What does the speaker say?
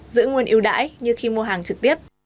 giữ nguồn yêu đãi như khi mua hàng trực tiếp